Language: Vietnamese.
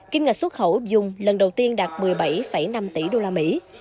kim ngạch xuất khẩu dùng lần đầu tiên đạt một mươi bảy năm tỷ đô la mỹ